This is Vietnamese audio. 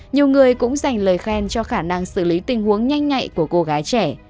nhiều người cũng dành lời khen cho khả năng xử lý tình huống nhanh nhạy của cô gái trẻ